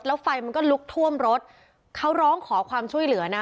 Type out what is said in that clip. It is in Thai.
แล้วไฟมันก็ลุกท่วมรถเขาร้องขอความช่วยเหลือนะ